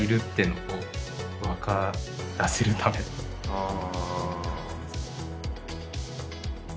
ああ。